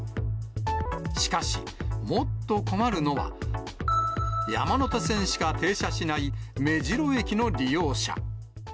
しかし、もっと困るのは、山手線しか停車しない目白駅の利用者。